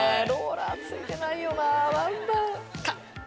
ローラーついてないよな何だ。